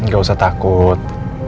gak usah takut